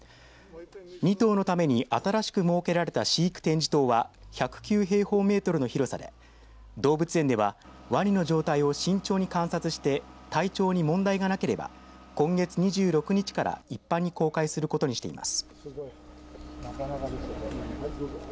２頭のために新しく設けられた飼育展示棟は１０９平方メートルの広さで動物園ではワニの状態を慎重に観察して体調に問題がなければ今月２６日から一般に公開することにしています。